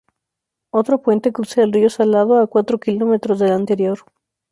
Otro puente cruza el río Salado a cuatro kilómetros del anterior.